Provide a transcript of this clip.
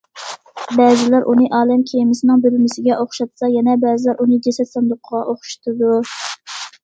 بەزىلەر ئۇنى ئالەم كېمىسىنىڭ بۆلمىسىگە ئوخشاتسا، يەنە بەزىلەر ئۇنى جەسەت ساندۇقىغا ئوخشىتىدۇ.